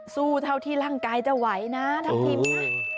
เท่าที่ร่างกายจะไหวนะทัพทิมนะ